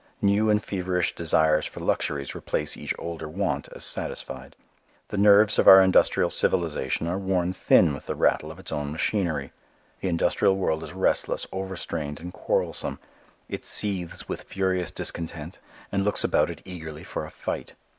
New and feverish desires for luxuries replace each older want as satisfied. The nerves of our industrial civilization are worn thin with the rattle of its own machinery. The industrial world is restless, over strained and quarrelsome. It seethes with furious discontent, and looks about it eagerly for a fight.